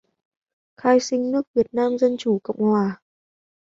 khai sinh nước Việt Nam Dân chủ Cộng hòa